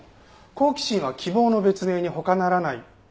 好奇心は希望の別名に他ならない。